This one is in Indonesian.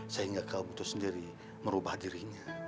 sehingga kaum itu sendiri merubah dirinya